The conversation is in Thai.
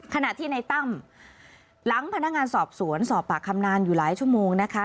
ขณะที่ในตั้มหลังพนักงานสอบสวนสอบปากคำนานอยู่หลายชั่วโมงนะคะ